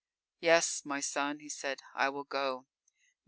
"Yes, my son," he said, "I will go.